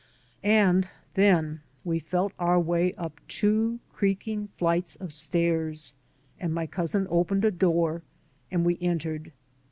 And then we felt our way up two creaking flights of stairs, and my cousin opened a door, and we entered.